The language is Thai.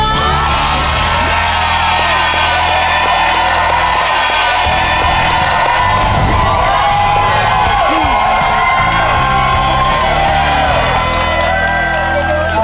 เย้